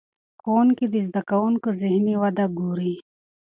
ښوونکي د زده کوونکو ذهني وده ګوري.